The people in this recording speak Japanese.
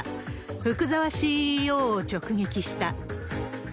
福澤ＣＥＯを直撃した。